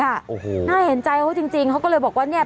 โอ้โหน่าเห็นใจเขาจริงเขาก็เลยบอกว่าเนี่ย